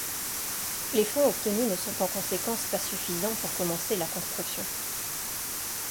Les fonds obtenus ne sont en conséquence pas suffisants pour commencer la construction.